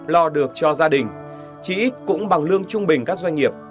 lo được cho gia đình chỉ ít cũng bằng lương trung bình các doanh nghiệp